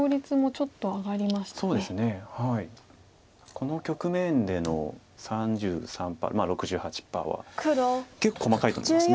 この局面での３３％６８％は結構細かいと思います。